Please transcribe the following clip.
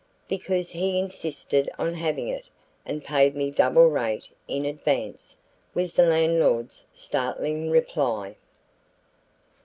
"Because he insisted on having it and paid me double rate in advance," was the landlord's startling reply.